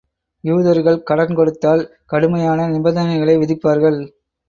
யூதர்கள் கடன் கொடுத்தால், கடுமையான நிபந்தனைகளை விதிப்பார்கள்.